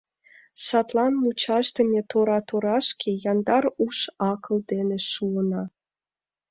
Садлан мучашдыме тора торашке Яндар уш-акыл дене шуына.